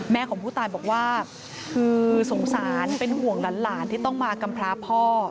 ของผู้ตายบอกว่าคือสงสารเป็นห่วงหลานที่ต้องมากำพราพ่อ